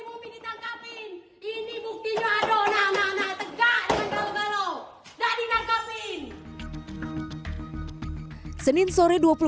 ini buktinya aduh nah nah nah tegak dengan balo balo tak dinangkapin